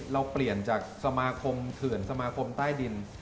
เราเปลี่ยนจากสมาคมเถื่อนสมาคมใต้ดิน